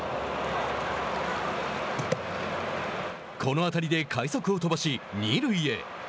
この当たりで快足を飛ばし二塁へ。